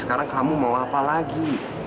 sekarang kamu mau apa lagi